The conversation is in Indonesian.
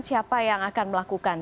siapa yang akan melakukan